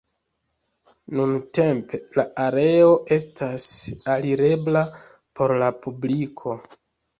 Nuntempe la areo estas alirebla por la publiko.